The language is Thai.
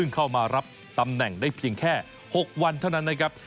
เข้ามารับตำแหน่งได้เพียงแค่๖วันเท่านั้นนะครับ